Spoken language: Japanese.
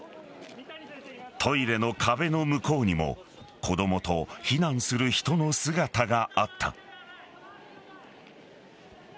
トイレの壁の向こうにも子供と避難する人の姿があった。